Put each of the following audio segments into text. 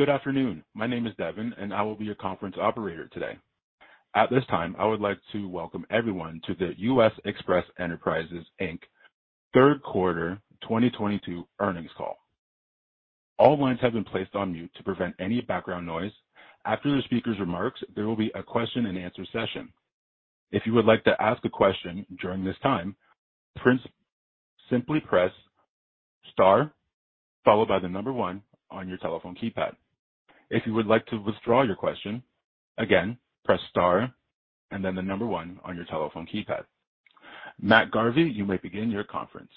Good afternoon. My name is Devin, and I will be your conference operator today. At this time, I would like to welcome everyone to the U.S. Xpress Enterprises, Inc third quarter 2022 earnings call. All lines have been placed on mute to prevent any background noise. After the speaker's remarks, there will be a question-and-answer session. If you would like to ask a question during this time, simply press star followed by the number one on your telephone keypad. If you would like to withdraw your question, again, press star and then the number one on your telephone keypad. Matt Garvie, you may begin your conference.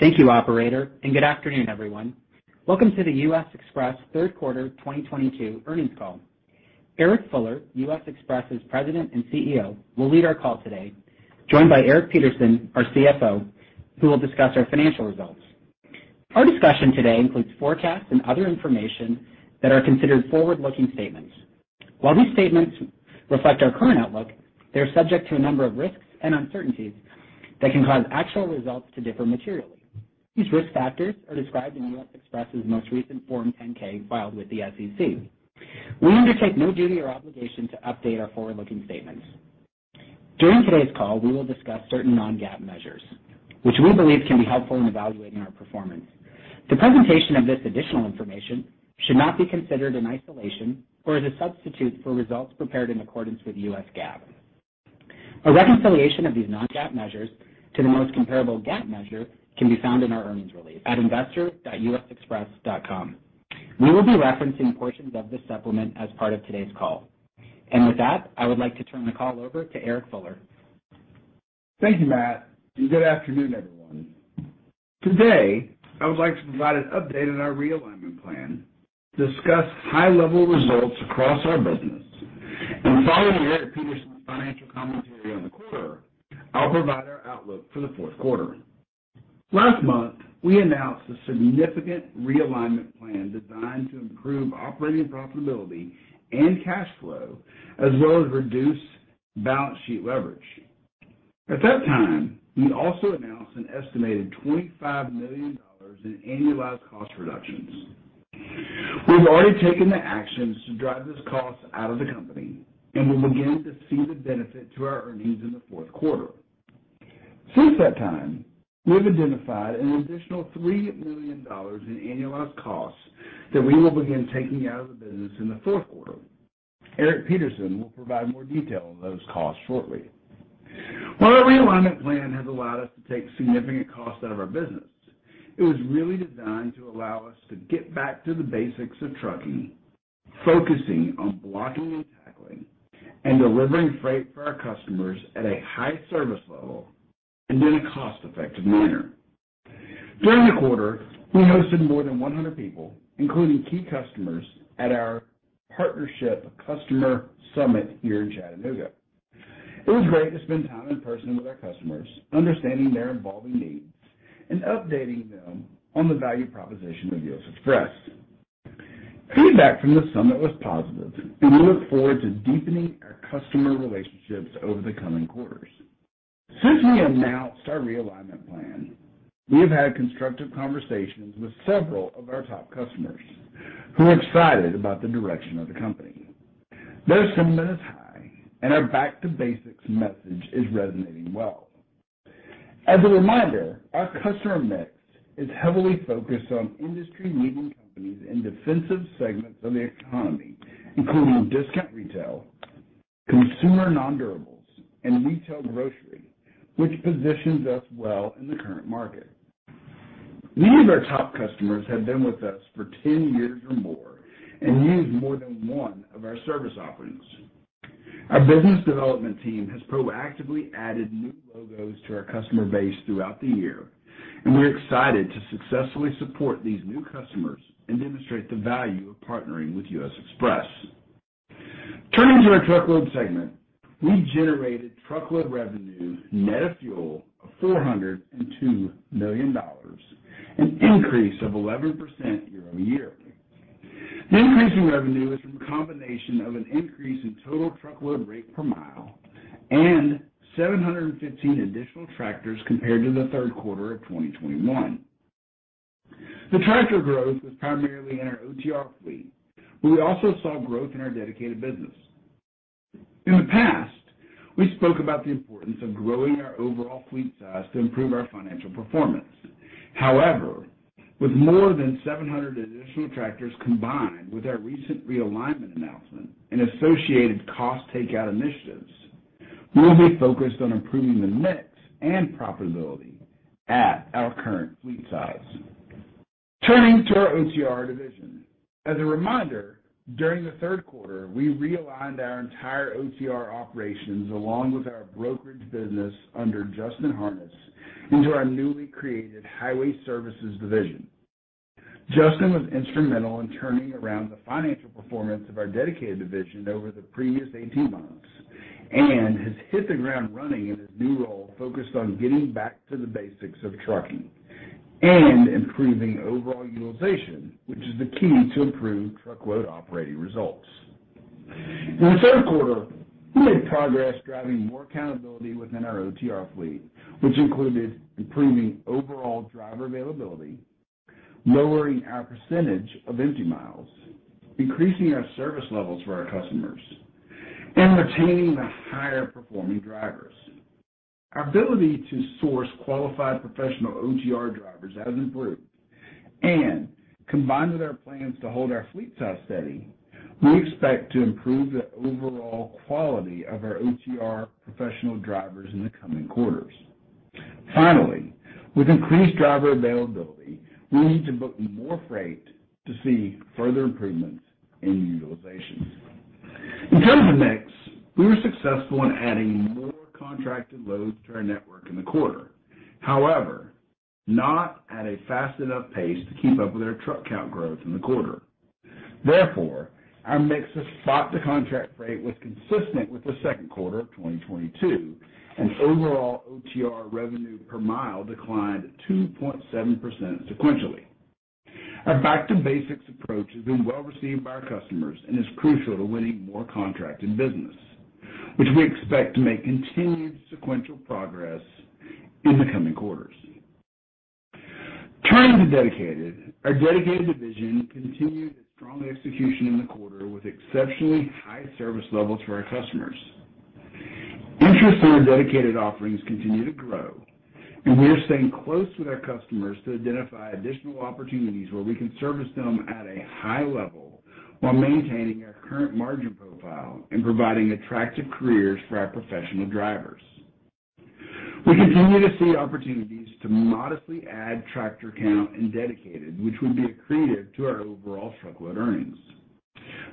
Thank you, operator, and good afternoon, everyone. Welcome to the U.S. Xpress third quarter 2022 earnings call. Eric Fuller, U.S. Xpress's President and CEO, will lead our call today, joined by Eric Peterson, our CFO, who will discuss our financial results. Our discussion today includes forecasts and other information that are considered forward-looking statements. While these statements reflect our current outlook, they are subject to a number of risks and uncertainties that can cause actual results to differ materially. These risk factors are described in U.S. Xpress's most recent Form 10-K filed with the SEC. We undertake no duty or obligation to update our forward-looking statements. During today's call, we will discuss certain non-GAAP measures which we believe can be helpful in evaluating our performance. The presentation of this additional information should not be considered in isolation or as a substitute for results prepared in accordance with U.S. GAAP. A reconciliation of these non-GAAP measures to the most comparable U.S. GAAP measure can be found in our earnings release at investor.usxpress.com. We will be referencing portions of this supplement as part of today's call. With that, I would like to turn the call over to Eric Fuller. Thank you, Matt, and good afternoon, everyone. Today, I would like to provide an update on our realignment plan, discuss high-level results across our business. Following Eric Peterson's financial commentary on the quarter, I'll provide our outlook for the fourth quarter. Last month, we announced a significant realignment plan designed to improve operating profitability and cash flow, as well as reduce balance sheet leverage. At that time, we also announced an estimated $25 million in annualized cost reductions. We've already taken the actions to drive this cost out of the company and will begin to see the benefit to our earnings in the fourth quarter. Since that time, we've identified an additional $3 million in annualized costs that we will begin taking out of the business in the fourth quarter. Eric Peterson will provide more detail on those costs shortly. While our realignment plan has allowed us to take significant costs out of our business, it was really designed to allow us to get back to the basics of trucking, focusing on blocking and tackling and delivering freight for our customers at a high service level and in a cost-effective manner. During the quarter, we hosted more than 100 people, including key customers, at our Partnership Customer Summit here in Chattanooga. It was great to spend time in person with our customers, understanding their evolving needs and updating them on the value proposition of U.S. Xpress. Feedback from the summit was positive, and we look forward to deepening our customer relationships over the coming quarters. Since we announced our realignment plan, we have had constructive conversations with several of our top customers who are excited about the direction of the company. Their sentiment is high and our back-to-basics message is resonating well. As a reminder, our customer mix is heavily focused on industry-leading companies in defensive segments of the economy, including discount retail, consumer non-durables, and retail grocery, which positions us well in the current market. Many of our top customers have been with us for 10 years or more and use more than one of our service offerings. Our business development team has proactively added new logos to our customer base throughout the year, and we're excited to successfully support these new customers and demonstrate the value of partnering with U.S. Xpress. Turning to our Truckload segment, we generated Truckload revenue net of fuel of $402 million, an increase of 11% year-over-year. The increase in revenue is from a combination of an increase in total Truckload rate per mile and 715 additional tractors compared to the third quarter of 2021. The tractor growth was primarily in our OTR fleet, but we also saw growth in our Dedicated business. In the past, we spoke about the importance of growing our overall fleet size to improve our financial performance. However, with more than 700 additional tractors, combined with our recent realignment announcement and associated cost takeout initiatives, we will be focused on improving the mix and profitability at our current fleet size. Turning to our OTR division. As a reminder, during the third quarter, we realigned our entire OTR operations along with our brokerage business under Justin Harness into our newly created Highway Services division. Justin was instrumental in turning around the financial performance of our Dedicated division over the previous 18 months and has hit the ground running in his new role, focused on getting back to the basics of trucking and improving overall utilization, which is the key to improved Truckload operating results. In the third quarter, we made progress driving more accountability within our OTR fleet, which included improving overall driver availability, lowering our percentage of empty miles, increasing our service levels for our customers, and retaining the higher performing drivers. Our ability to source qualified professional OTR drivers has improved, and combined with our plans to hold our fleet size steady, we expect to improve the overall quality of our OTR professional drivers in the coming quarters. Finally, with increased driver availability, we need to book more freight to see further improvements in utilization. In terms of mix, we were successful in adding more contracted loads to our network in the quarter. However, not at a fast enough pace to keep up with our truck count growth in the quarter. Therefore, our mix of spot to contract freight was consistent with the second quarter of 2022, and overall OTR revenue per mile declined 2.7% sequentially. Our back to basics approach has been well received by our customers and is crucial to winning more contracted business, which we expect to make continued sequential progress in the coming quarters. Turning to Dedicated. Our Dedicated division continued its strong execution in the quarter with exceptionally high service levels for our customers. Interest in our Dedicated offerings continues to grow, and we are staying close with our customers to identify additional opportunities where we can service them at a high level while maintaining our current margin profile and providing attractive careers for our professional drivers. We continue to see opportunities to modestly add tractor count in Dedicated, which would be accretive to our overall Truckload earnings.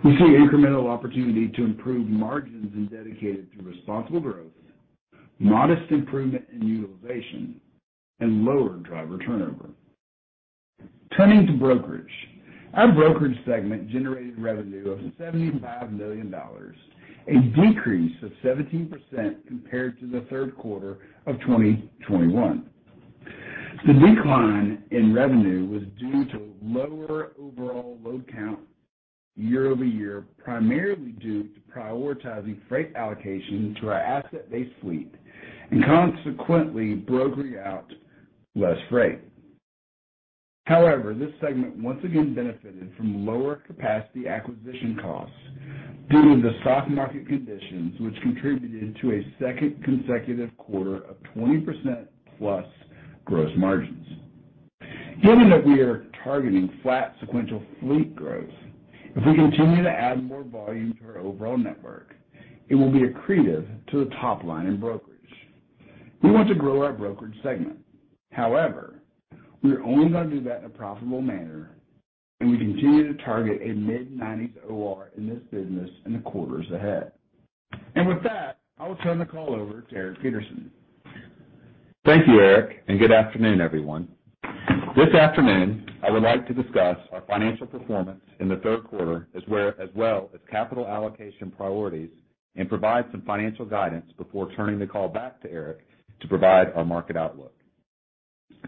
We see incremental opportunity to improve margins in Dedicated through responsible growth, modest improvement in utilization, and lower driver turnover. Turning to Brokerage. Our Brokerage segment generated revenue of $75 million, a decrease of 17% compared to the third quarter of 2021. The decline in revenue was due to lower overall load count year-over-year, primarily due to prioritizing freight allocation to our asset-based fleet and consequently brokering out less freight. However, this segment once again benefited from lower capacity acquisition costs due to the soft market conditions which contributed to a second consecutive quarter of 20%+ gross margins. Given that we are targeting flat sequential fleet growth, if we continue to add more volume to our overall network, it will be accretive to the top line in Brokerage. We want to grow our Brokerage segment. However, we are only going to do that in a profitable manner, and we continue to target a mid-90s OR in this business in the quarters ahead. With that, I will turn the call over to Eric Peterson. Thank you, Eric, and good afternoon, everyone. This afternoon, I would like to discuss our financial performance in the third quarter as well as capital allocation priorities and provide some financial guidance before turning the call back to Eric to provide our market outlook.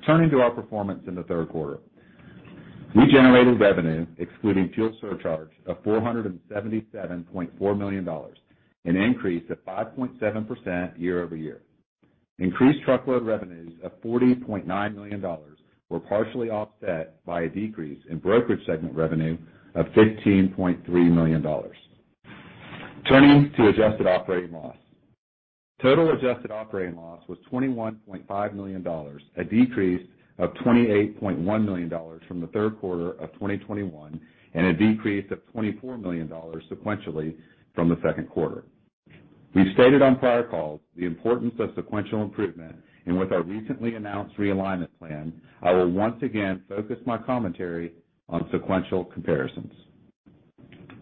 Turning to our performance in the third quarter. We generated revenue excluding fuel surcharge of $477.4 million, an increase of 5.7% year-over-year. Increased Truckload revenues of $40.9 million were partially offset by a decrease in Brokerage segment revenue of $15.3 million. Turning to adjusted operating loss. Total adjusted operating loss was $21.5 million, a decrease of $28.1 million from the third quarter of 2021, and a decrease of $24 million sequentially from the second quarter. We've stated on prior calls the importance of sequential improvement, and with our recently announced realignment plan, I will once again focus my commentary on sequential comparisons.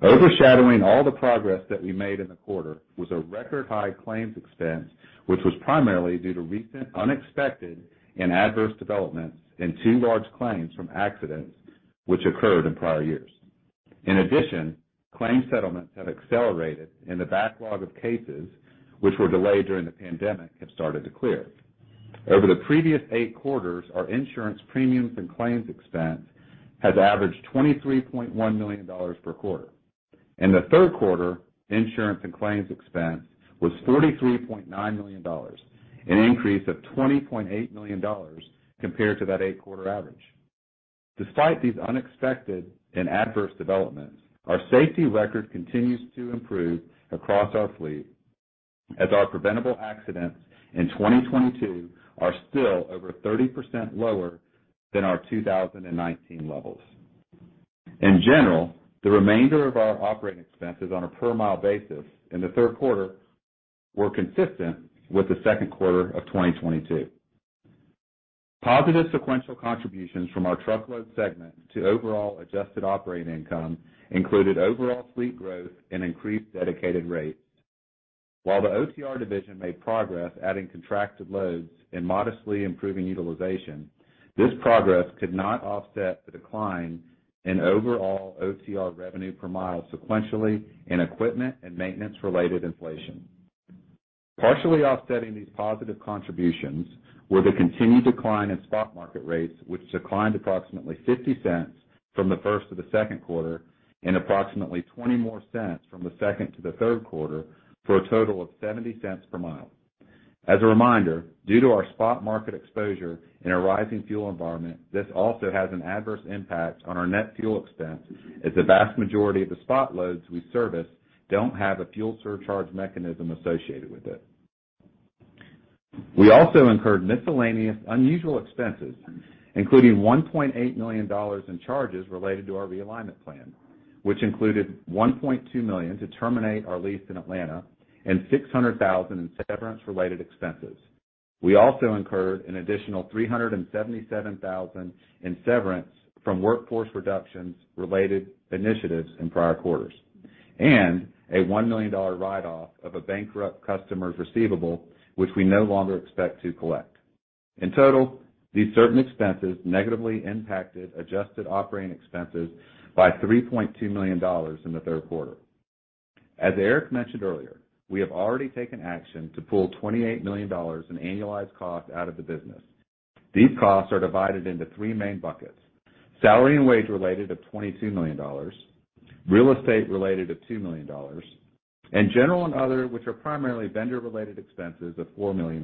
Overshadowing all the progress that we made in the quarter was a record high claims expense, which was primarily due to recent unexpected and adverse developments in two large claims from accidents which occurred in prior years. In addition, claims settlements have accelerated, and the backlog of cases which were delayed during the pandemic have started to clear. Over the previous eight quarters, our insurance premiums and claims expense has averaged $23.1 million per quarter. In the third quarter, insurance and claims expense was $43.9 million, an increase of $20.8 million compared to that eight-quarter average. Despite these unexpected and adverse developments, our safety record continues to improve across our fleet as our preventable accidents in 2022 are still over 30% lower than our 2019 levels. In general, the remainder of our operating expenses on a per mile basis in the third quarter were consistent with the second quarter of 2022. Positive sequential contributions from our Truckload segment to overall adjusted operating income included overall fleet growth and increased Dedicated rates. While the OTR division made progress adding contracted loads and modestly improving utilization, this progress could not offset the decline in overall OTR revenue per mile sequentially and equipment and maintenance-related inflation. Partially offsetting these positive contributions were the continued decline in spot market rates, which declined approximately $0.50 from the first to the second quarter and approximately $0.20 more from the second to the third quarter, for a total of $0.70 per mile. As a reminder, due to our spot market exposure in a rising fuel environment, this also has an adverse impact on our net fuel expense, as the vast majority of the spot loads we service don't have a fuel surcharge mechanism associated with it. We also incurred miscellaneous unusual expenses, including $1.8 million in charges related to our realignment plan, which included $1.2 million to terminate our lease in Atlanta and $600,000 in severance-related expenses. We also incurred an additional $377,000 in severance from workforce reductions related initiatives in prior quarters, and a $1 million write off of a bankrupt customer's receivable, which we no longer expect to collect. In total, these certain expenses negatively impacted adjusted operating expenses by $3.2 million in the third quarter. As Eric mentioned earlier, we have already taken action to pull $28 million in annualized costs out of the business. These costs are divided into three main buckets, salary and wage-related of $22 million, real estate-related of $2 million, and general and other, which are primarily vendor-related expenses of $4 million.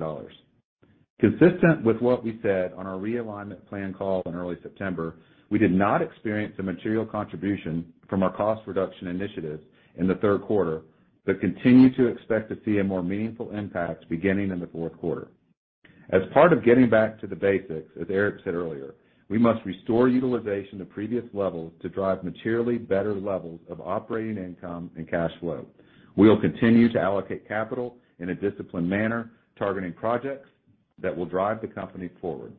Consistent with what we said on our realignment plan call in early September, we did not experience a material contribution from our cost reduction initiatives in the third quarter, but continue to expect to see a more meaningful impact beginning in the fourth quarter. As part of getting back to the basics, as Eric said earlier, we must restore utilization to previous levels to drive materially better levels of operating income and cash flow. We will continue to allocate capital in a disciplined manner, targeting projects that will drive the company forward.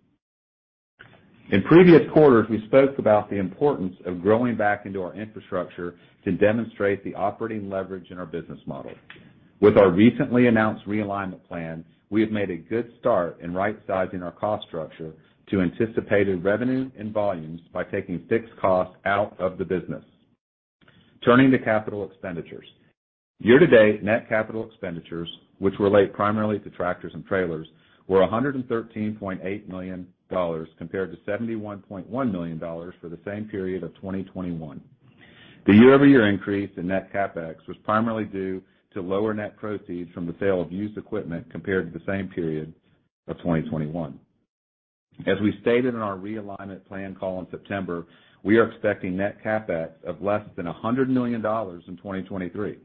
In previous quarters, we spoke about the importance of growing back into our infrastructure to demonstrate the operating leverage in our business model. With our recently announced realignment plan, we have made a good start in rightsizing our cost structure to anticipated revenue and volumes by taking fixed costs out of the business. Turning to capital expenditures. Year-to-date net capital expenditures, which relate primarily to tractors and trailers, were $113.8 million compared to $71.1 million for the same period of 2021. The year-over-year increase in net CapEx was primarily due to lower net proceeds from the sale of used equipment compared to the same period of 2021. As we stated in our realignment plan call in September, we are expecting net CapEx of less than $100 million in 2023.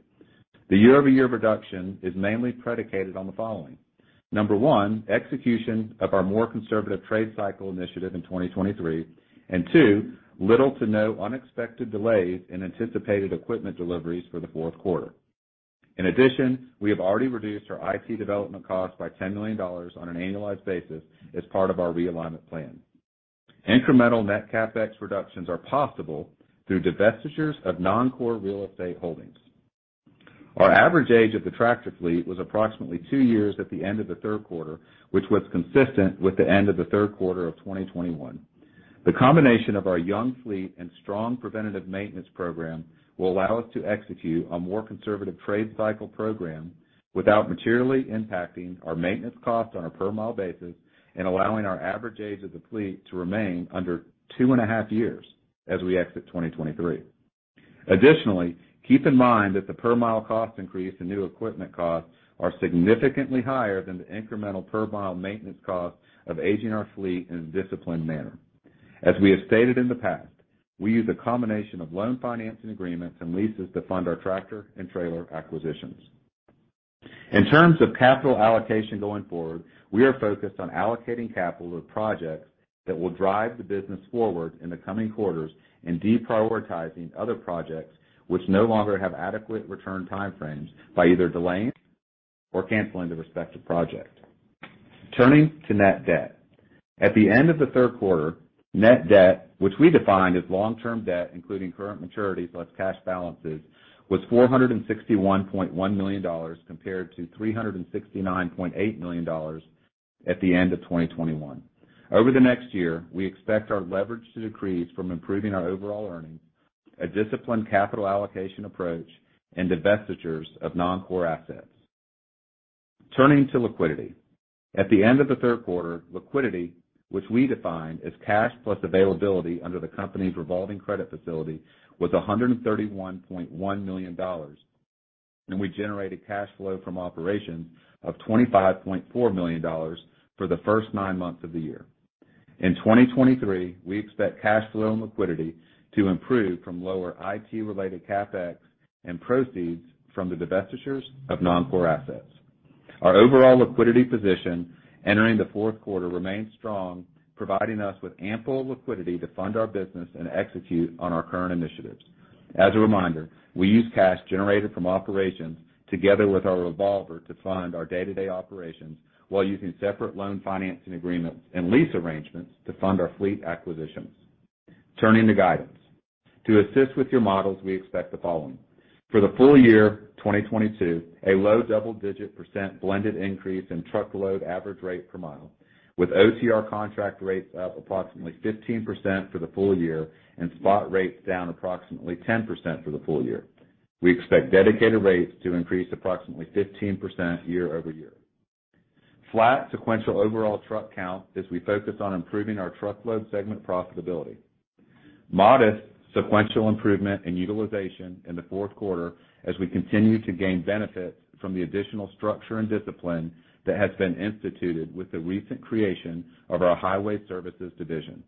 The year-over-year reduction is mainly predicated on the following. Number one, execution of our more conservative trade cycle initiative in 2023. Two, little to no unexpected delays in anticipated equipment deliveries for the fourth quarter. In addition, we have already reduced our IT development costs by $10 million on an annualized basis as part of our realignment plan. Incremental net CapEx reductions are possible through divestitures of non-core real estate holdings. Our average age of the tractor fleet was approximately two years at the end of the third quarter, which was consistent with the end of the third quarter of 2021. The combination of our young fleet and strong preventative maintenance program will allow us to execute a more conservative trade cycle program without materially impacting our maintenance costs on a per mile basis and allowing our average age of the fleet to remain under two and a half years as we exit 2023. Additionally, keep in mind that the per mile cost increase and new equipment costs are significantly higher than the incremental per mile maintenance cost of aging our fleet in a disciplined manner. As we have stated in the past, we use a combination of loan financing agreements and leases to fund our tractor and trailer acquisitions. In terms of capital allocation going forward, we are focused on allocating capital to projects that will drive the business forward in the coming quarters and deprioritizing other projects which no longer have adequate return time frames by either delaying or canceling the respective project. Turning to net debt. At the end of the third quarter, net debt, which we define as long-term debt, including current maturities less cash balances, was $461.1 million compared to $369.8 million at the end of 2021. Over the next year, we expect our leverage to decrease from improving our overall earnings, a disciplined capital allocation approach, and divestitures of non-core assets. Turning to liquidity. At the end of the third quarter, liquidity, which we define as cash plus availability under the company's revolving credit facility, was $131.1 million, and we generated cash flow from operations of $25.4 million for the first nine months of the year. In 2023, we expect cash flow and liquidity to improve from lower IT-related CapEx and proceeds from the divestitures of non-core assets. Our overall liquidity position entering the fourth quarter remains strong, providing us with ample liquidity to fund our business and execute on our current initiatives. As a reminder, we use cash generated from operations together with our revolver to fund our day-to-day operations while using separate loan financing agreements and lease arrangements to fund our fleet acquisitions. Turning to guidance. To assist with your models, we expect the following. For the full year 2022, a low double-digit precent blended increase in Truckload average rate per mile, with OTR contract rates up approximately 15% for the full year and spot rates down approximately 10% for the full year. We expect Dedicated rates to increase approximately 15% year-over-year. Flat sequential overall truck count as we focus on improving our Truckload segment profitability. Modest sequential improvement in utilization in the fourth quarter as we continue to gain benefits from the additional structure and discipline that has been instituted with the recent creation of our Highway Services division.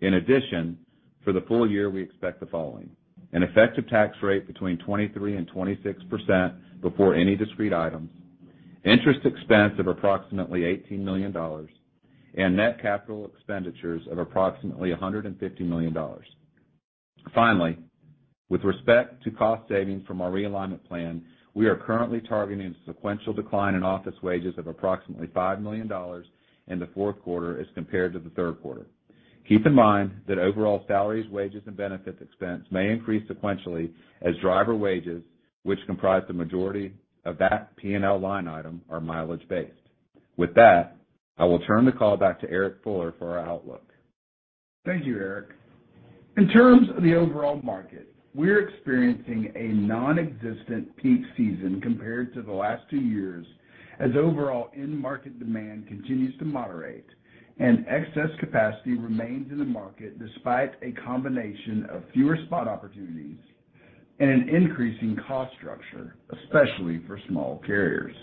In addition, for the full year, we expect the following. An effective tax rate between 23% and 26% before any discrete items, interest expense of approximately $18 million, and net capital expenditures of approximately $150 million. Finally, with respect to cost savings from our realignment plan, we are currently targeting sequential decline in office wages of approximately $5 million in the fourth quarter as compared to the third quarter. Keep in mind that overall salaries, wages and benefits expense may increase sequentially as driver wages, which comprise the majority of that P&L line item, are mileage-based. With that, I will turn the call back to Eric Fuller for our outlook. Thank you, Eric. In terms of the overall market, we're experiencing a nonexistent peak season compared to the last two years as overall end market demand continues to moderate and excess capacity remains in the market despite a combination of fewer spot opportunities and an increasing cost structure, especially for small carriers.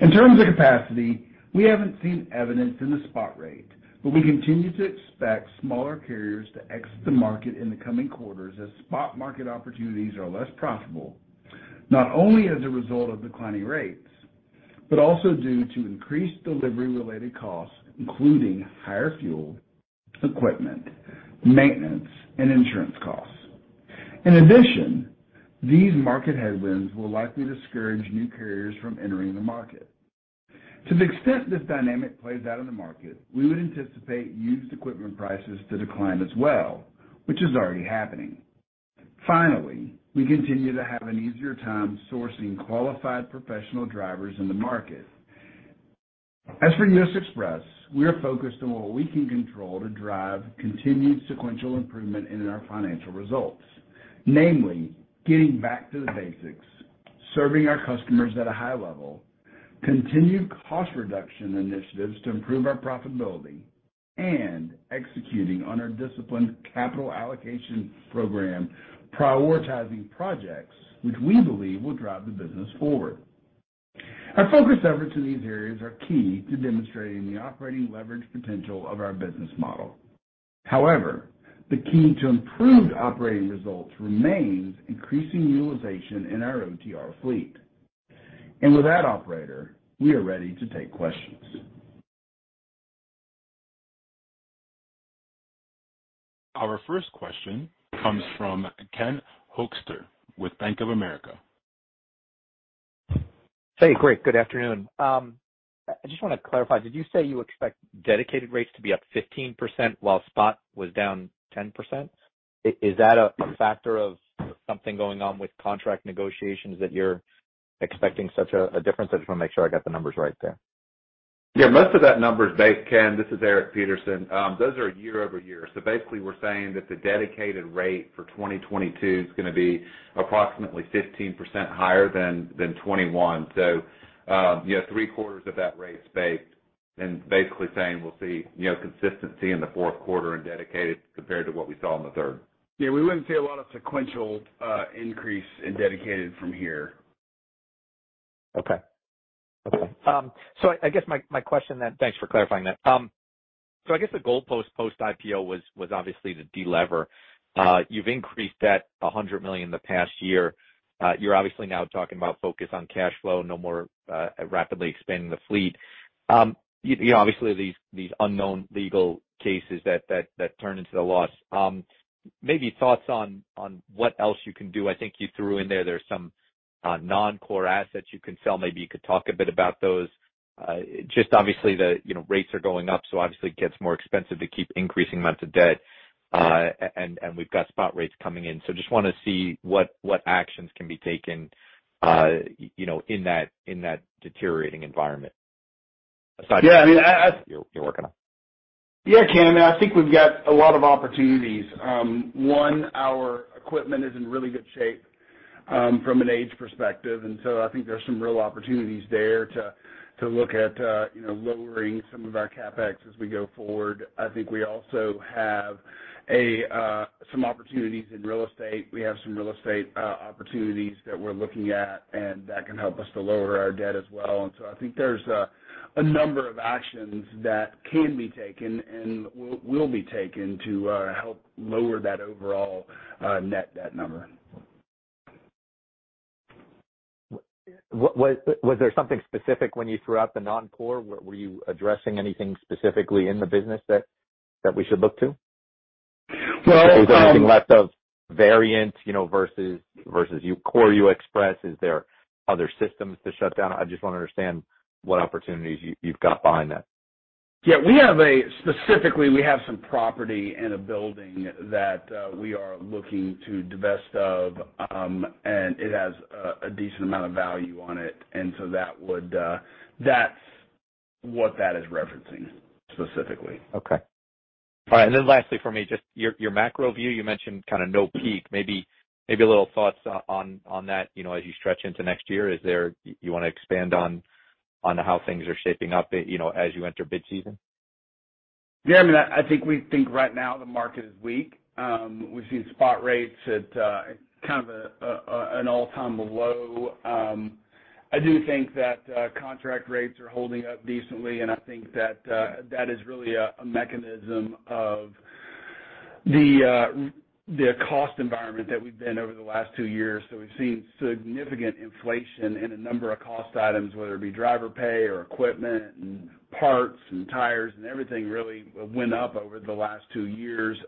In terms of capacity, we haven't seen evidence in the spot rate, but we continue to expect smaller carriers to exit the market in the coming quarters as spot market opportunities are less profitable, not only as a result of declining rates, but also due to increased delivery-related costs, including higher fuel, equipment, maintenance, and insurance costs. In addition, these market headwinds will likely discourage new carriers from entering the market. To the extent this dynamic plays out in the market, we would anticipate used equipment prices to decline as well, which is already happening. Finally, we continue to have an easier time sourcing qualified professional drivers in the market. As for U.S. Xpress, we are focused on what we can control to drive continued sequential improvement in our financial results. Namely, getting back to the basics, serving our customers at a high level, continued cost reduction initiatives to improve our profitability, and executing on our disciplined capital allocation program, prioritizing projects which we believe will drive the business forward. Our focus efforts in these areas are key to demonstrating the operating leverage potential of our business model. However, the key to improved operating results remains increasing utilization in our OTR fleet. With that operator, we are ready to take questions. Our first question comes from Ken Hoexter with Bank of America. Hey, great. Good afternoon. I just want to clarify, did you say you expect Dedicated rates to be up 15% while spot was down 10%? Is that a factor of something going on with contract negotiations that you're expecting such a difference? I just want to make sure I got the numbers right there. Yeah, most of that number is based. Ken, this is Eric Peterson. Those are year-over-year. Basically, we're saying that the Dedicated rate for 2022 is gonna be approximately 15% higher than 2021. You have three-quarters of that rate is based and basically saying we'll see, you know, consistency in the fourth quarter in Dedicated compared to what we saw in the third. Yeah, we wouldn't see a lot of sequential increase in Dedicated from here. Okay. I guess my question then, thanks for clarifying that. I guess the goal post post-IPO was obviously to delever. You've increased that $100 million in the past year. You're obviously now talking about focus on cash flow, no more rapidly expanding the fleet. You know, obviously, these unknown legal cases that turn into a loss. Maybe thoughts on what else you can do. I think you threw in there's some non-core assets you can sell. Maybe you could talk a bit about those. Just obviously, you know, rates are going up, so obviously it gets more expensive to keep increasing amounts of debt. And we've got spot rates coming in. Just wanna see what actions can be taken, you know, in that deteriorating environment aside from what you're working on. Yeah. I mean, Yeah, Ken. I think we've got a lot of opportunities. One, our equipment is in really good shape from an age perspective, and so I think there's some real opportunities there to look at you know lowering some of our CapEx as we go forward. I think we also have some opportunities in real estate. We have some real estate opportunities that we're looking at, and that can help us to lower our debt as well. I think there's a number of actions that can be taken and will be taken to help lower that overall net debt number. Was there something specific when you threw out the non-core? Were you addressing anything specifically in the business that we should look to? Well. Was there anything left of Variant, you know, versus your core U.S. Xpress? Is there other systems to shut down? I just wanna understand what opportunities you've got behind that. Yeah. Specifically, we have some property and a building that we are looking to divest of, and it has a decent amount of value on it. That would, that's what that is referencing specifically. Okay. All right. Lastly for me, just your macro view, you mentioned kind of no peak. Maybe a little thoughts on that, you know, as you stretch into next year. You wanna expand on how things are shaping up, you know, as you enter mid-season? Yeah. I mean, I think we think right now the market is weak. We've seen spot rates at kind of an all-time low. I do think that contract rates are holding up decently, and I think that is really a mechanism of the cost environment that we've been over the last two years. We've seen significant inflation in a number of cost items, whether it be driver pay or equipment and parts and tires, and everything really went up over the last two years.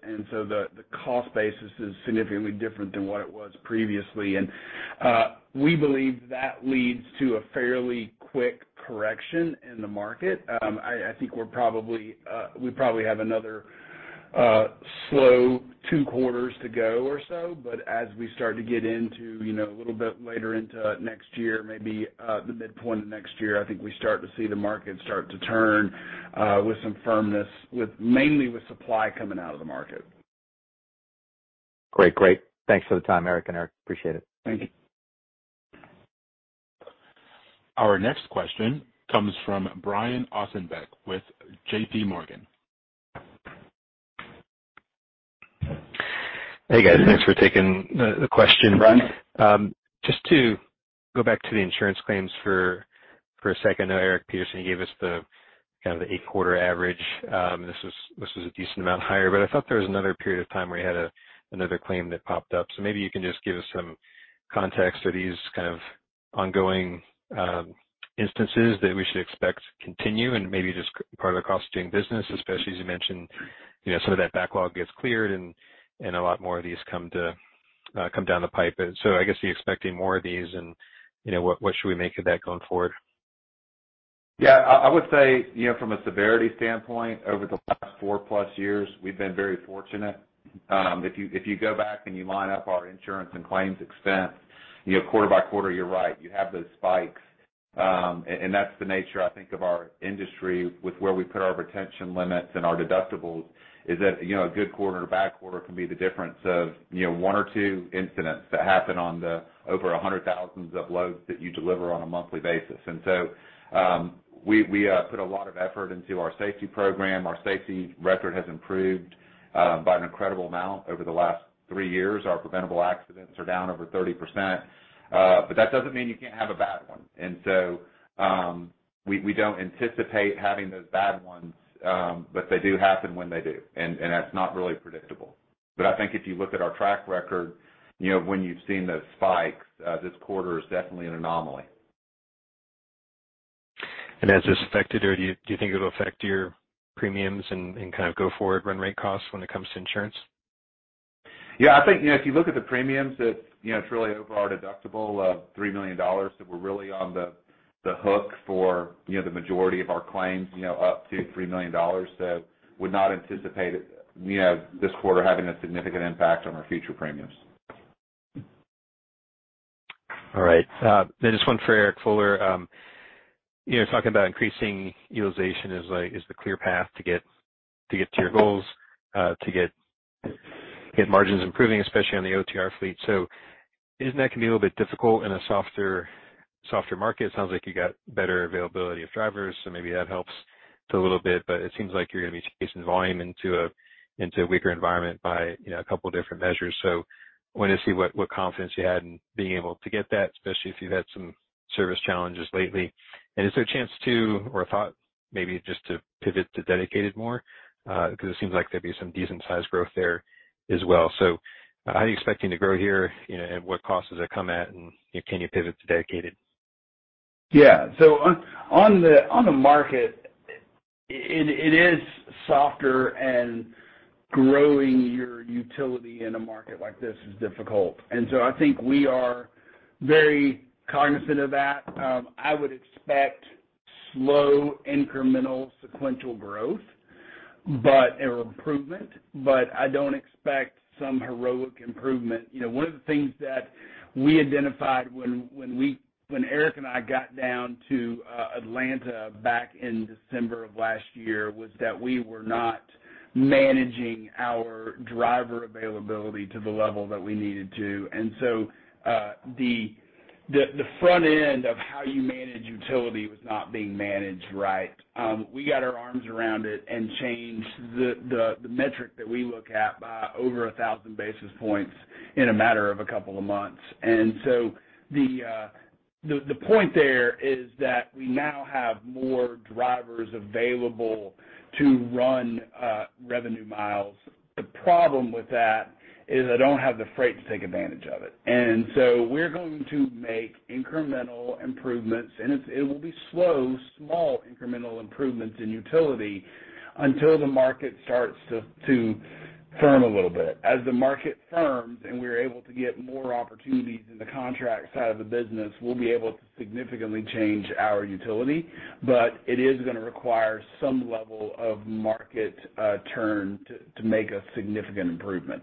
We believe that leads to a fairly quick correction in the market. I think we probably have another slow two quarters to go or so, but as we start to get into, you know, a little bit later into next year, maybe the midpoint of next year, I think we start to see the market start to turn with some firmness, mainly with supply coming out of the market. Great. Thanks for the time, Eric and Eric. Appreciate it. Thank you. Our next question comes from Brian Ossenbeck with JPMorgan. Hey, guys. Thanks for taking the question. Brian. Just to go back to the insurance claims for a second. Eric Peterson, you gave us the eight-quarter average. This was a decent amount higher, but I thought there was another period of time where you had another claim that popped up. Maybe you can just give us some context. Are these kind of ongoing instances that we should expect to continue and maybe just part of the cost of doing business, especially as you mentioned, you know, some of that backlog gets cleared and a lot more of these come down the pipe. I guess, are you expecting more of these and, you know, what should we make of that going forward? Yeah. I would say, you know, from a severity standpoint, over the last 4+ years, we've been very fortunate. If you go back and you line up our insurance and claims expense, you know, quarter by quarter, you're right, you have those spikes. And that's the nature, I think, of our industry with where we put our retention limits and our deductibles, is that, you know, a good quarter or bad quarter can be the difference of, you know, one or two incidents that happen over 100,000 loads that you deliver on a monthly basis. We put a lot of effort into our safety program. Our safety record has improved by an incredible amount over the last three years. Our preventable accidents are down over 30%. That doesn't mean you can't have a bad one. We don't anticipate having those bad ones, but they do happen when they do, and that's not really predictable. I think if you look at our track record, you know, when you've seen those spikes, this quarter is definitely an anomaly. Has this affected or do you think it'll affect your premiums and kind of go forward run rate costs when it comes to insurance? Yeah, I think, you know, if you look at the premiums, it's, you know, it's really over our deductible of $3 million, so we're really on the hook for, you know, the majority of our claims, you know, up to $3 million. Would not anticipate it, you know, this quarter having a significant impact on our future premiums. Just one for Eric Fuller. You know, talking about increasing utilization is the clear path to get to your goals, to get margins improving, especially on the OTR fleet. Isn't that gonna be a little bit difficult in a softer market? It sounds like you got better availability of drivers, so maybe that helps a little bit, but it seems like you're gonna be chasing volume into a weaker environment by, you know, a couple different measures. Wanted to see what confidence you had in being able to get that, especially if you've had some service challenges lately. Is there a chance to, or a thought maybe just to pivot to Dedicated more? Because it seems like there'd be some decent-sized growth there as well. How are you expecting to grow here, you know, and what costs does that come at, and can you pivot to Dedicated? Yeah. On the market, it is softer and growing your utility in a market like this is difficult. I think we are very cognizant of that. I would expect slow incremental sequential growth, but or improvement, but I don't expect some heroic improvement. You know, one of the things that we identified when Eric and I got down to Atlanta back in December of last year, was that we were not managing our driver availability to the level that we needed to. The front end of how you manage utility was not being managed right. We got our arms around it and changed the metric that we look at by over 1,000 basis points in a matter of a couple of months. The point there is that we now have more drivers available to run revenue miles. The problem with that is I don't have the freight to take advantage of it. We're going to make incremental improvements, and it will be slow, small, incremental improvements in utilization until the market starts to firm a little bit. As the market firms and we're able to get more opportunities in the contract side of the business, we'll be able to significantly change our utilization, but it is gonna require some level of market turn to make a significant improvement.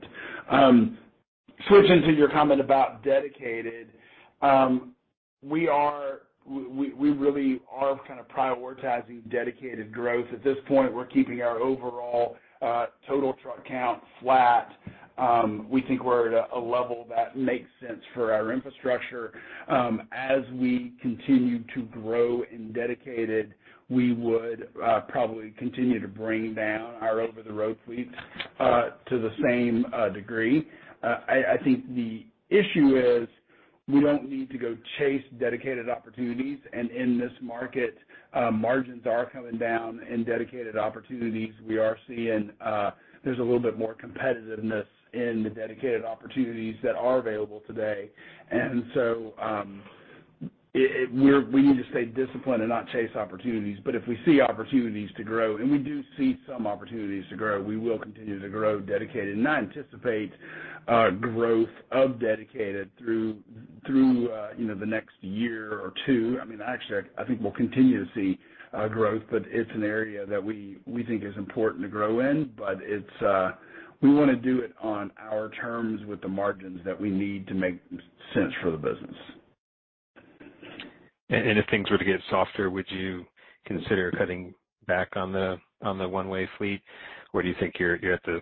Switching to your comment about Dedicated. We really are kind of prioritizing Dedicated growth. At this point, we're keeping our overall total truck count flat. We think we're at a level that makes sense for our infrastructure. As we continue to grow in Dedicated, we would probably continue to bring down our Over-the-Road fleet to the same degree. I think the issue is we don't need to go chase Dedicated opportunities, and in this market, margins are coming down in Dedicated opportunities. We are seeing there's a little bit more competitiveness in the Dedicated opportunities that are available today. We need to stay disciplined and not chase opportunities. If we see opportunities to grow, and we do see some opportunities to grow, we will continue to grow Dedicated and I anticipate growth of Dedicated through you know, the next year or two. I mean, actually I think we'll continue to see growth, but it's an area that we think is important to grow in, but it's we wanna do it on our terms with the margins that we need to make sense for the business. If things were to get softer, would you consider cutting back on the one-way fleet? Or do you think you're at the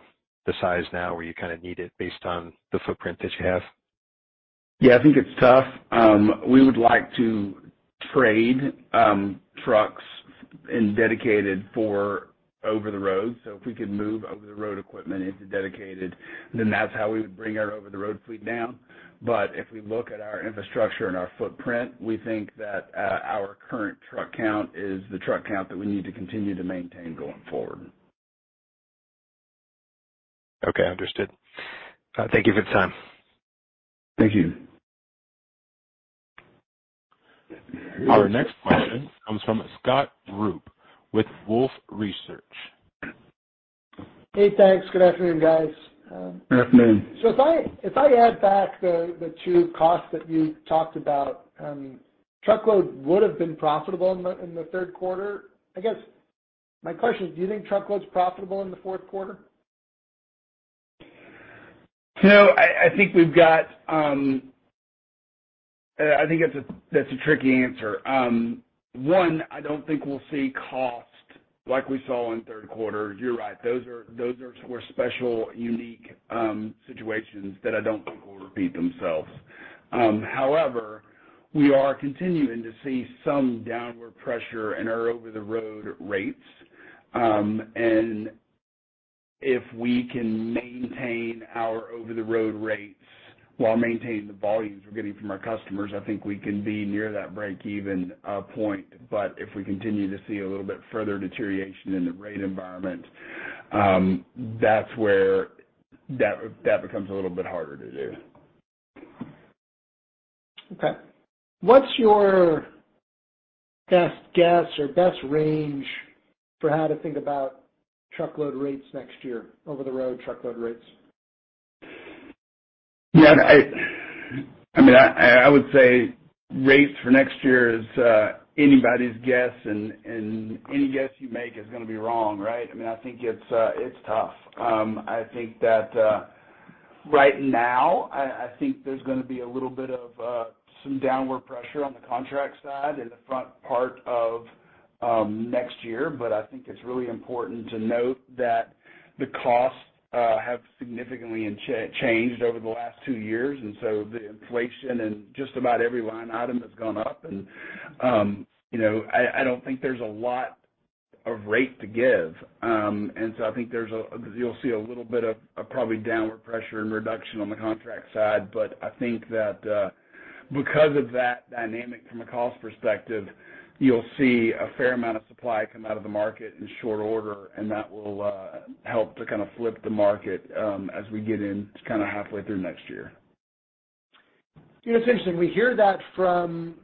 size now where you kind of need it based on the footprint that you have? Yeah. I think it's tough. We would like to trade trucks in Dedicated for Over-the-Road. If we could move over-the-road equipment into Dedicated, then that's how we would bring our Over-the-Road fleet down. If we look at our infrastructure and our footprint, we think that our current truck count is the truck count that we need to continue to maintain going forward. Okay. Understood. Thank you for the time. Thank you. Our next question comes from Scott Group with Wolfe Research. Hey, thanks. Good afternoon, guys. Good afternoon. If I add back the two costs that you talked about, Truckload would have been profitable in the third quarter. I guess my question is, do you think Truckload's profitable in the fourth quarter? I think that's a tricky answer. I don't think we'll see costs like we saw in third quarter. You're right. Those are sort of special, unique situations that I don't think will repeat themselves. However, we are continuing to see some downward pressure in our Over-the-Road rates. If we can maintain our Over-the-Road rates while maintaining the volumes we're getting from our customers, I think we can be near that break-even point. If we continue to see a little bit further deterioration in the rate environment, that's where that becomes a little bit harder to do. Okay. What's your best guess or best range for how to think about Truckload rates next year? Over-the-Road Truckload rates? I mean, I would say rates for next year is anybody's guess and any guess you make is gonna be wrong, right? I mean, I think it's tough. I think that right now there's gonna be a little bit of some downward pressure on the contract side in the front part of next year. I think it's really important to note that the costs have significantly changed over the last two years, and so the inflation in just about every line item has gone up. You know, I don't think there's a lot of rate to give. I think you'll see a little bit of probably downward pressure and reduction on the contract side. I think that because of that dynamic from a cost perspective, you'll see a fair amount of supply come out of the market in short order, and that will help to kind of flip the market as we get into kind of halfway through next year. You know, it's interesting. We hear that from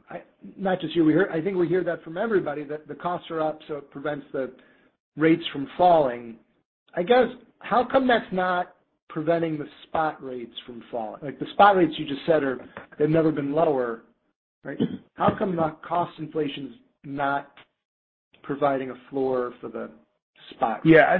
not just you. I think we hear that from everybody, that the costs are up, so it prevents the rates from falling. I guess, how come that's not preventing the spot rates from falling? Like, the spot rates you just said are, they've never been lower, right? How come the cost inflation is not providing a floor for the spot? Yeah.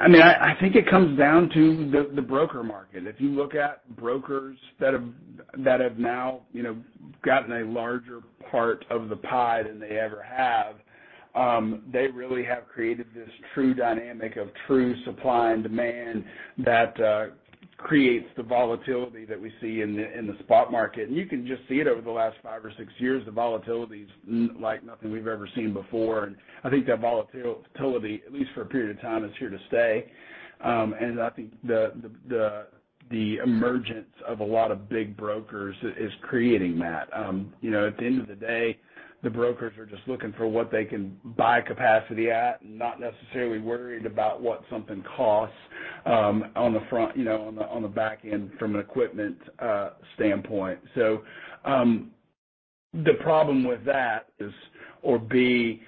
I mean, I think it comes down to the broker market. If you look at brokers that have now, you know, gotten a larger part of the pie than they ever have, they really have created this true dynamic of true supply and demand that creates the volatility that we see in the spot market. You can just see it over the last five or six years, the volatility's like nothing we've ever seen before. I think that volatility, at least for a period of time, is here to stay. I think the emergence of a lot of big brokers is creating that. You know, at the end of the day, the brokers are just looking for what they can buy capacity at and not necessarily worried about what something costs, on the front, you know, on the back end from an equipment standpoint. The problem with that is they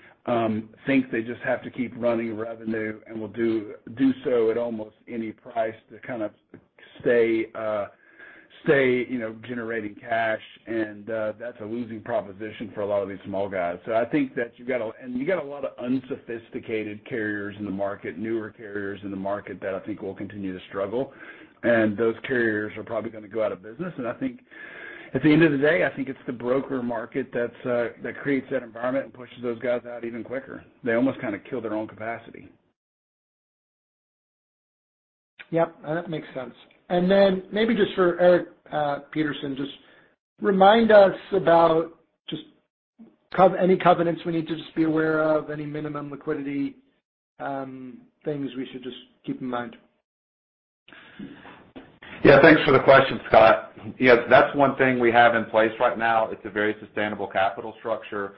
think they just have to keep running revenue and will do so at almost any price to kind of stay, you know, generating cash and, that's a losing proposition for a lot of these small guys. I think you got a lot of unsophisticated carriers in the market, newer carriers in the market that I think will continue to struggle, and those carriers are probably gonna go out of business. At the end of the day, I think it's the broker market that's that creates that environment and pushes those guys out even quicker. They almost kinda kill their own capacity. Yep, that makes sense. Maybe just for Eric Peterson, just remind us about any covenants we need to just be aware of, any minimum liquidity things we should just keep in mind. Yeah. Thanks for the question, Scott. Yes, that's one thing we have in place right now. It's a very sustainable capital structure.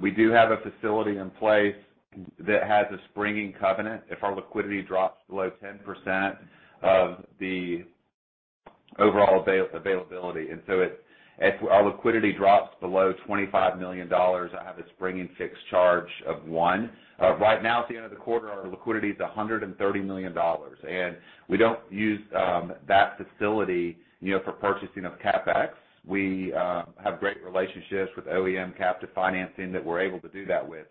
We do have a facility in place that has a springing covenant if our liquidity drops below 10% of the overall availability. If our liquidity drops below $25 million, I have a springing fixed charge of 1x. Right now, at the end of the quarter, our liquidity is $130 million, and we don't use that facility, you know, for purchasing of CapEx. We have great relationships with OEM captive financing that we're able to do that with.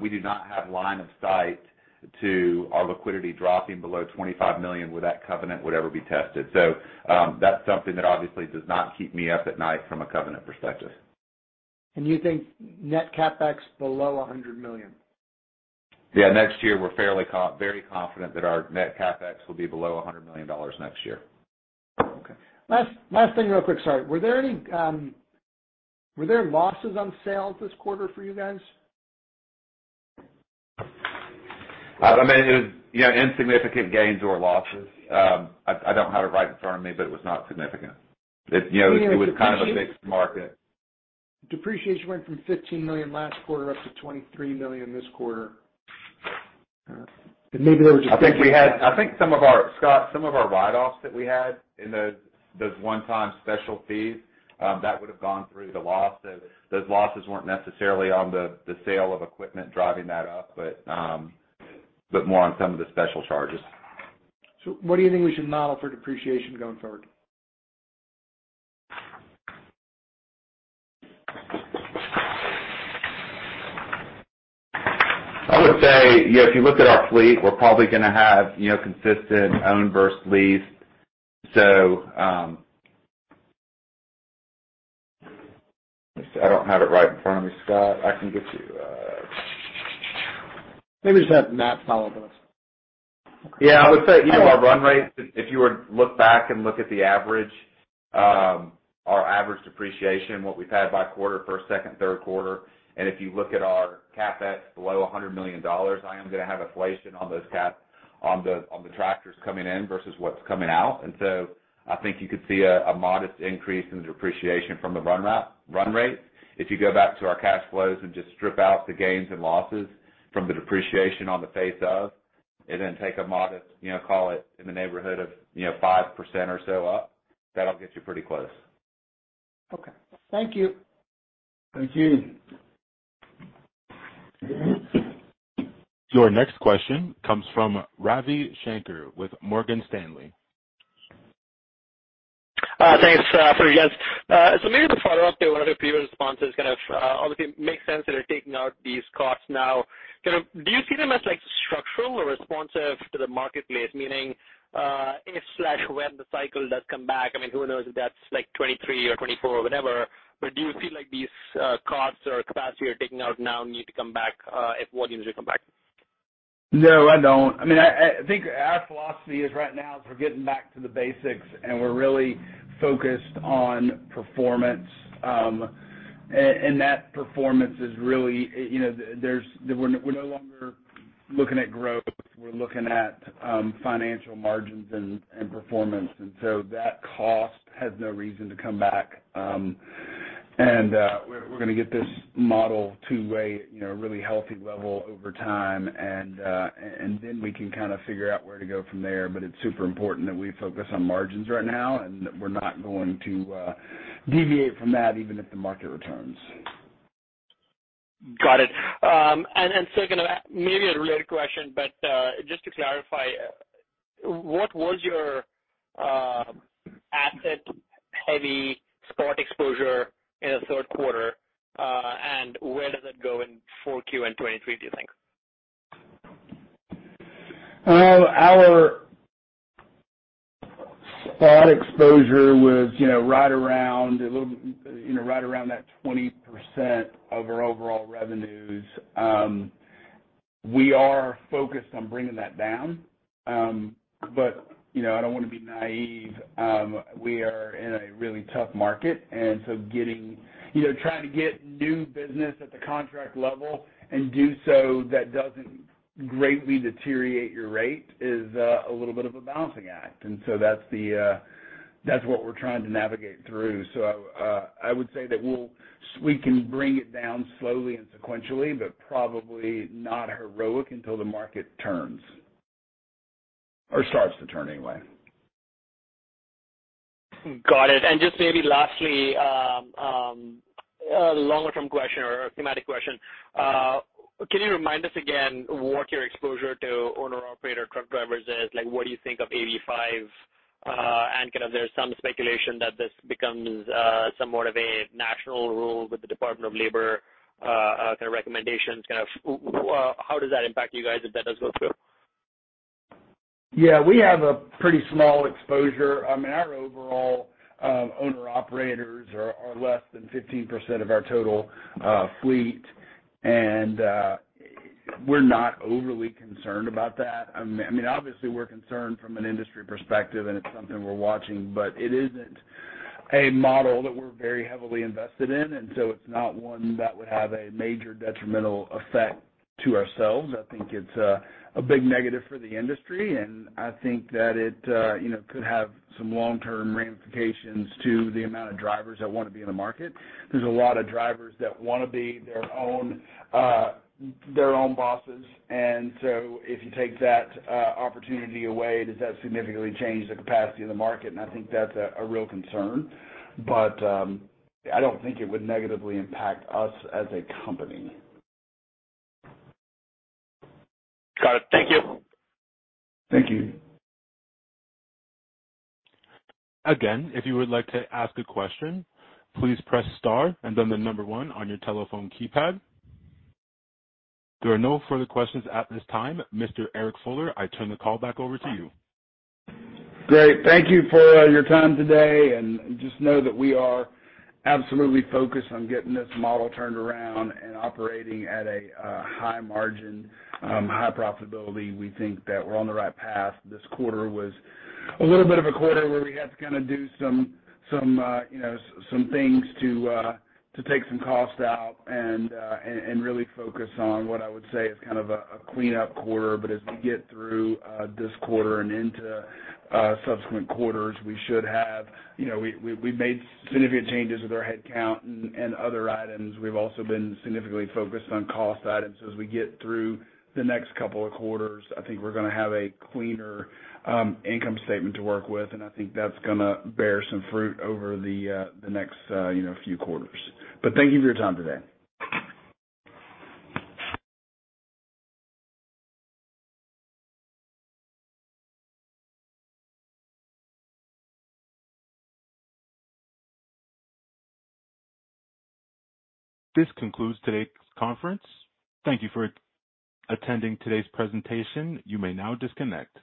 We do not have line of sight to our liquidity dropping below $25 million, where that covenant would ever be tested. That's something that obviously does not keep me up at night from a covenant perspective. You think net CapEx below $100 million? Yeah. Next year we're very confident that our net CapEx will be below $100 million next year. Okay. Last thing real quick. Sorry. Were there losses on sales this quarter for you guys? I mean, it was, you know, insignificant gains or losses. I don't have it right in front of me, but it was not significant. It, you know, it was kind of a mixed market. Depreciation went from $15 million last quarter up to $23 million this quarter. Maybe there was just. I think some of our Scott, some of our write-offs that we had in those one-time special fees that would have gone through the loss. Those losses weren't necessarily on the sale of equipment driving that up, but more on some of the special charges. What do you think we should model for depreciation going forward? I would say, you know, if you look at our fleet, we're probably gonna have, you know, consistent own versus leased. Let's see. I don't have it right in front of me, Scott. I can get you... Maybe just have Matt follow up with us. Yeah. I would say, you know, our run rate, if you were to look back and look at the average, our average depreciation, what we've had by quarter, first, second, third quarter, and if you look at our CapEx below $100 million, I am gonna have inflation on those cap- on the, on the tractors coming in versus what's coming out. I think you could see a modest increase in the depreciation from the run rate. If you go back to our cash flows and just strip out the gains and losses from the depreciation on the face of, and then take a modest, you know, call it in the neighborhood of, you know, 5% or so up, that'll get you pretty close. Okay. Thank you. Thank you. Your next question comes from Ravi Shanker with Morgan Stanley. Thanks for you guys. Maybe to follow up to one of your previous responses, kind of, obviously makes sense that you're taking out these costs now. Kind of do you see them as, like, structural or responsive to the marketplace? Meaning, if/when the cycle does come back, I mean, who knows if that's, like, 2023 or 2024 or whatever, but do you feel like these costs or capacity you're taking out now need to come back, if volumes do come back? No, I don't. I mean, I think our philosophy is right now we're getting back to the basics, and we're really focused on performance. That performance is really, you know, we're no longer looking at growth. We're looking at financial margins and performance. That cost has no reason to come back. We're gonna get this model to a really healthy level over time, and then we can kinda figure out where to go from there. It's super important that we focus on margins right now, and we're not going to deviate from that even if the market returns. Got it. Kind of maybe a related question, but just to clarify, what was your asset-heavy spot exposure in the third quarter, and where does it go in 4Q 2023, do you think? Our spot exposure was, you know, right around a little, you know, right around that 20% of our overall revenues. We are focused on bringing that down. You know, I don't wanna be naive. We are in a really tough market, and so getting, you know, trying to get new business at the contract level and do so that doesn't greatly deteriorate your rate is a little bit of a balancing act. That's what we're trying to navigate through. I would say that we can bring it down slowly and sequentially, but probably not heroic until the market turns or starts to turn, anyway. Got it. Just maybe lastly, a longer-term question or a thematic question. Can you remind us again what your exposure to owner-operator truck drivers is? Like, what do you think of AB5? Kind of there's some speculation that this becomes somewhat of a national rule with the Department of Labor. Kind of how does that impact you guys if that does go through? Yeah, we have a pretty small exposure. I mean, our overall owner-operators are less than 15% of our total fleet, and we're not overly concerned about that. I mean, obviously we're concerned from an industry perspective, and it's something we're watching, but it isn't a model that we're very heavily invested in. It's not one that would have a major detrimental effect to ourselves. I think it's a big negative for the industry, and I think that it you know could have some long-term ramifications to the amount of drivers that wanna be in the market. There's a lot of drivers that wanna be their own bosses. If you take that opportunity away, does that significantly change the capacity of the market? I think that's a real concern, but I don't think it would negatively impact us as a company. Got it. Thank you. Thank you. Again, if you would like to ask a question, please press star and then the number one on your telephone keypad. There are no further questions at this time. Mr. Eric Fuller, I turn the call back over to you. Great. Thank you for your time today, and just know that we are absolutely focused on getting this model turned around and operating at a high margin, high profitability. We think that we're on the right path. This quarter was a little bit of a quarter where we had to kinda do some you know some things to take some cost out and really focus on what I would say is kind of a cleanup quarter. As we get through this quarter and into subsequent quarters, you know, we've made significant changes with our headcount and other items. We've also been significantly focused on cost items. As we get through the next couple of quarters, I think we're gonna have a cleaner, income statement to work with, and I think that's gonna bear some fruit over the next, you know, few quarters. Thank you for your time today. This concludes today's conference. Thank you for attending today's presentation. You may now disconnect.